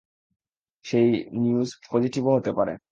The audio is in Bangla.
সেই নিউজ পজিটিভও হতে পারে।